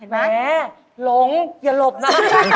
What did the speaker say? เห็นไหมหลงอย่าหลบนะ